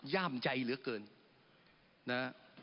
ย่ามใจเหลือเกินนะฮะ